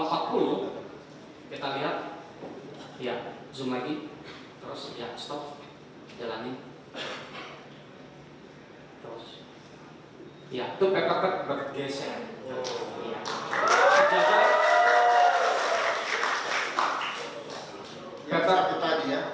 bagaimana reaksi penonton sidang